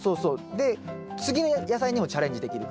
で次の野菜にもチャレンジできるから。